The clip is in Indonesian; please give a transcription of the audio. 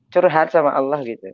curhat sama allah